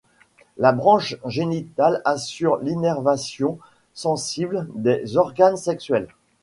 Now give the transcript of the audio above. La branche génitale assure l'innervation sensitive des organes sexuels.